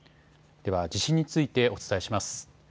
では地震についてお伝えします。